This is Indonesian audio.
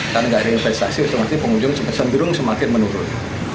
karena nggak ada investasi maksudnya pengunjung sendiri semakin menurun